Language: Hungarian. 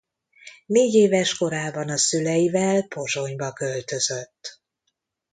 Négyéves korában a szüleivel Pozsonyba költözött.